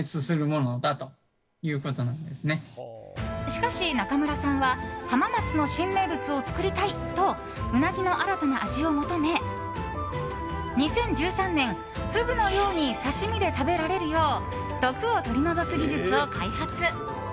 しかし、仲村さんは浜松の新名物を作りたいとうなぎの新たな味を求め２０１３年、フグのように刺身で食べられるよう毒を取り除く技術を開発。